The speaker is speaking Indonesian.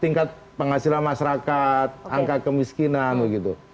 tingkat penghasilan masyarakat angka kemiskinan begitu